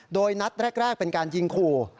โดยนัดแรกเป็นการยิงขู่